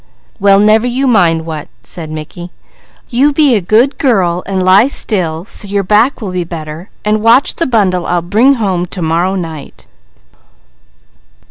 "Well never you mind what," said Mickey. "You be a good girl and lie still, so your back will be better, and watch the bundle I'll bring home to morrow night."